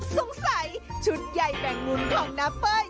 สงสัยชุดใหญ่แบงวุ้นของแม่เป๋ย